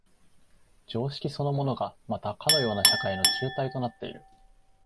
常識そのものがまたかような社会の紐帯となっている。